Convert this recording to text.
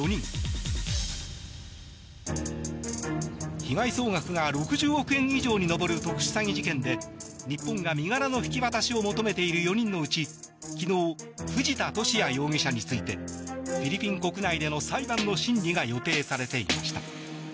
被害総額が６０億円以上に上る特殊詐欺事件で日本が身柄の引き渡しを求めている４人のうち昨日、藤田聖也容疑者についてフィリピン国内での裁判の審理が予定されていました。